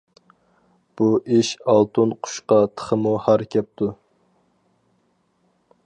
بۇ ئىش ئالتۇن قۇشقا تېخىمۇ ھار كەپتۇ.